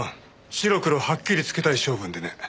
白黒はっきりつけたい性分でね。